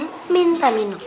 yaudah ambil air minum